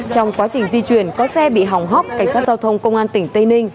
trong quá trình di chuyển có xe bị hỏng hóc cảnh sát giao thông công an tỉnh tây ninh